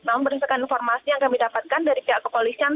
namun berdasarkan informasi yang kami dapatkan dari pihak kepolisian